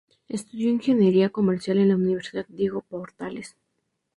Estudió ingeniería comercial en la Universidad Diego Portales.